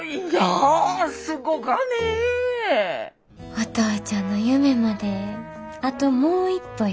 お父ちゃんの夢まであともう一歩や。